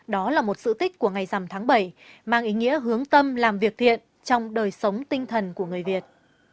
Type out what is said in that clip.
đó là một sự tích của ngày rằm tháng bảy mang ý nghĩa hướng tâm làm việc thiện trong đời sống tinh thần của người việt